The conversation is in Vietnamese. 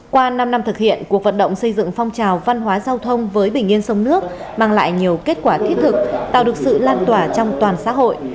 qua năm năm thực hiện cuộc vận động xây dựng phong trào văn hóa giao thông với bình yên sông nước mang lại nhiều kết quả thiết thực tạo được sự lan tỏa trong toàn xã hội